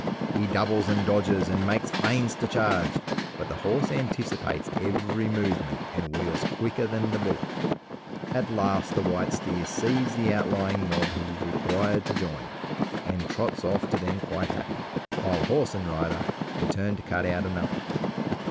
He doubles and dodges and makes feints to charge, but the horse anticipates every movement and wheels quicker than the bullock. At last the white steer sees the outlying mob he is required to join, and trots off to them quite happy, while horse and rider return to cut out another.